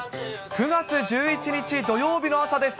９月１１日土曜日の朝です。